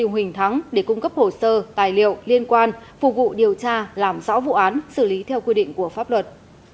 huỳnh thắng để cung cấp hồ sơ tài liệu liên quan phục vụ điều tra làm rõ vụ án xử lý theo quy định của pháp luật